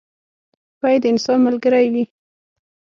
سپي د انسان ملګری وي.